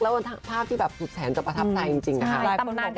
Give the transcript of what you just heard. แล้วภาพที่หุดแสนหรือประทับใจจริงนะคะ